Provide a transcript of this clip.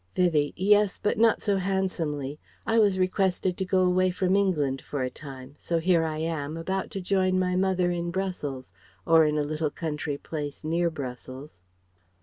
Vivie: "Yes, but not so handsomely. I was requested to go away from England for a time, so here I am, about to join my mother in Brussels or in a little country place near Brussels."